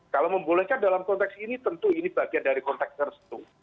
kalau membolehkan dalam konteks ini tentu ini bagian dari konteks restu